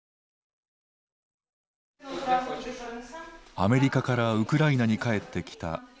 アメリカからウクライナに帰ってきたレシィ。